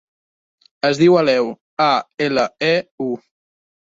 Es diu Aleu: a, ela, e, u.